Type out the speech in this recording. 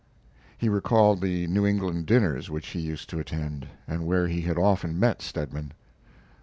He recalled the New England dinners which he used to attend, and where he had often met Stedman.